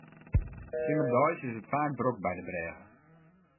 Simmerdeis is it faak drok by de brêge.